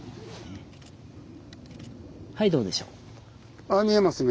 はいどうでしょう？